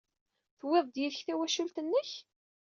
Tuwyeḍ-d yid-k tawacult-nnek?